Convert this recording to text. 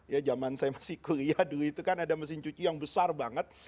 ya zaman saya masih kuliah dulu itu kan ada mesin cuci yang besar banget